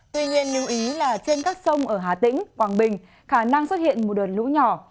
tuy nhiên lưu ý là trên các sông ở hà tĩnh quảng bình khả năng xuất hiện một đợt lũ nhỏ